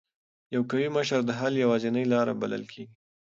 یو قوي مشر د حل یوازینۍ لار بلل کېږي.